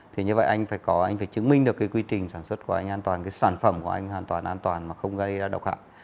thì như vậy anh phải có anh phải chứng minh được cái quy trình sản xuất của anh an toàn cái sản phẩm của anh an toàn an toàn mà không gây ra độc hại